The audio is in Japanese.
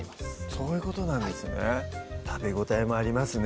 そういうことなんですね食べ応えもありますね